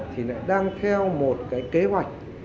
thì lại đang theo một cái kế hoạch